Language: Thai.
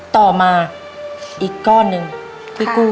ต่อมาอีกก้อนหนึ่งที่กู้